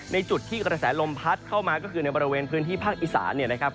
ในจุดที่กระแสลมพัดเข้ามาก็คือในบริเวณพื้นที่ภาคอีสานเนี่ยนะครับ